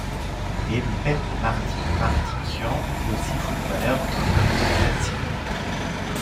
Il est le père de Mardik Mardikian, lui aussi footballeur international syrien.